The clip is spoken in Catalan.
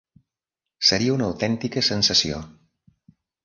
Seria una autèntica sensació.